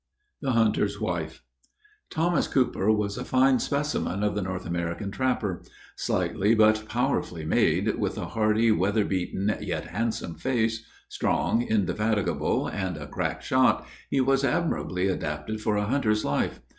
THE HUNTER'S WIFE. Thomas Cooper was a fine specimen of the North American trapper. Slightly but powerfully made, with a hardy, weather beaten, yet handsome face; strong, indefatigable, and a crack shot he was admirably adapted for a hunter's life.